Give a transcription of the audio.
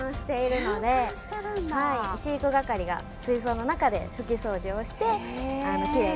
飼育係が水槽の中で拭き掃除をしてキレイにしています。